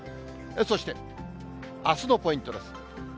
そしてあすのポイントです。